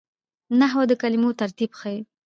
نحوه د کلمو ترتیب ښيي.